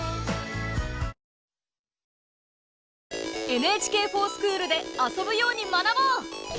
「ＮＨＫｆｏｒＳｃｈｏｏｌ」で遊ぶように学ぼう！